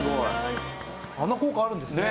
あんな効果あるんですね。